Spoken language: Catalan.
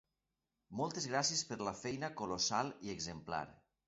Moltes gràcies per la feina colossal i exemplar.